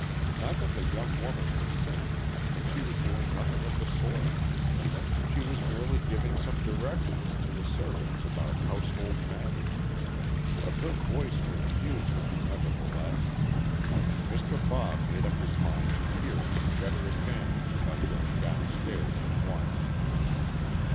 Not that the young woman was singing, for she was doing nothing of the sort. She was merely giving some directions to the servants about household matters, but her voice was music nevertheless, and Mr. Bob made up his mind to hear it to better advantage by going down stairs at once.